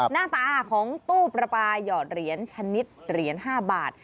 หน้าตาของตู้ประปาหยอดเหรียญชนิดเหรียญ๕บาท